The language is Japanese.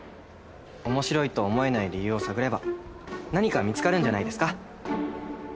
面白いと思えない理由を探れば何か見つかるんじゃないですか？